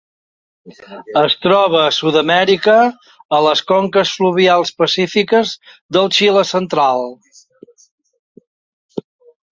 Es troba a Sud-amèrica, a les conques fluvials pacífiques del Xile central.